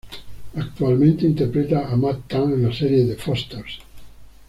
Actualmente, interpreta a Mat Tan en la serie "The Fosters".